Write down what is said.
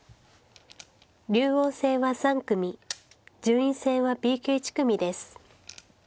竜王戦は３組順位戦はＢ級１組です。